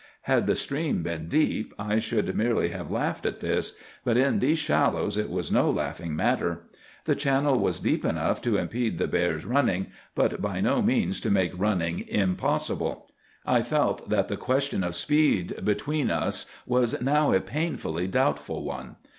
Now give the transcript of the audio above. Had the stream been deep I should merely have laughed at this, but in these shallows it was no laughing matter. The channel was deep enough to impede the bear's running, but by no means to make running impossible. I felt that the question of speed between us was now a painfully doubtful one.